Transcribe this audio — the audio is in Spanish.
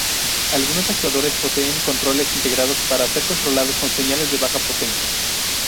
Algunos actuadores poseen controles integrados para ser controlados con señales de baja potencia.